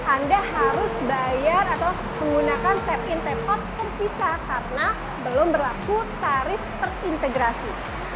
anda harus bayar atau menggunakan tap in tap hot terpisah karena belum berlaku tarif terintegrasi